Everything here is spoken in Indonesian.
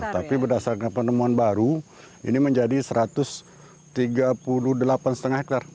tapi berdasarkan penemuan baru ini menjadi satu ratus tiga puluh delapan lima hektare